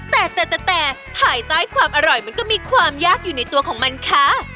แต่แต่ภายใต้ความอร่อยมันก็มีความยากอยู่ในตัวของมันค่ะ